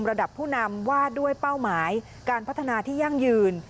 ระดับผู้นำว่าด้วยเป้าหมายการพัฒนาที่ยั่งยืน